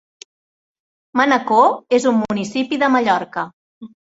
Manacor és un municipi de Mallorca.